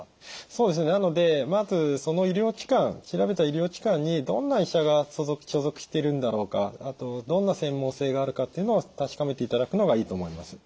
そうですねなのでまずその調べた医療機関にどんな医者が所属しているんだろうかあとどんな専門性があるかっていうのを確かめていただくのがいいと思います。